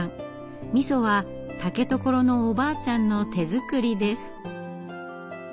みそは竹所のおばあちゃんの手作りです。